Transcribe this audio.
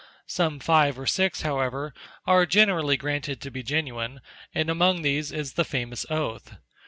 Some five or six, however, are generally granted to be genuine, and among these is the famous "Oath."